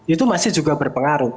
itu masih juga berpengaruh